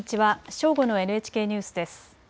正午のＮＨＫニュースです。